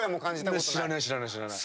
知らない知らない知らない。